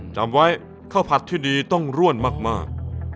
จำไว้ข้าวผัดที่ดีต้องร่วนมาก